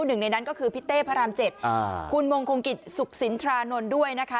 หนึ่งในนั้นก็คือพี่เต้พระราม๗คุณวงคงกิจสุขสินทรานนท์ด้วยนะคะ